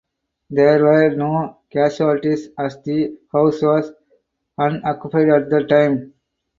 There were no casualties as the house was unoccupied at the time.